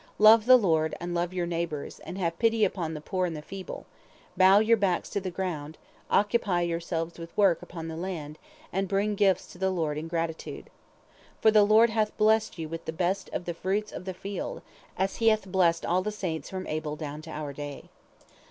Love the Lord and love your neighbors, have pity upon the poor and the feeble, bow your backs to till the ground, occupy yourselves with work upon the land, and bring gifts unto the Lord in gratitude. For the Lord hath blessed you with the best of the fruits of the field, as he hath blessed all the saints from Abel down to our day.